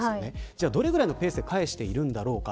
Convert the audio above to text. じゃあ、どれぐらいのペースで返しているんだろうか。